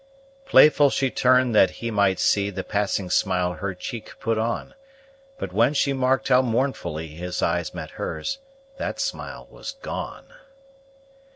Playful she turn'd that he might see The passing smile her cheek put on; But when she marked how mournfully His eyes met hers, that smile was gone.